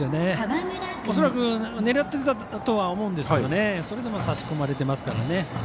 恐らくバッターも狙っていたとは思うんですけどもそれでも差し込まれていますから。